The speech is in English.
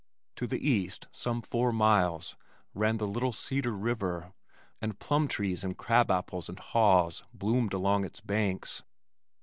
To the east some four miles ran the Little Cedar River, and plum trees and crab apples and haws bloomed along its banks.